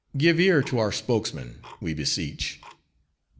Give ear to our spokesman, we beseech!"